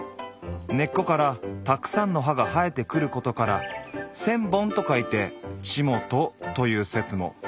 根っこからたくさんの葉が生えてくることから「千本」と書いて「ちもと」という説も。